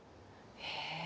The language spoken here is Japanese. へえ。